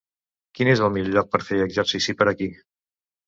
Quin és el millor lloc per fer exercici per aquí?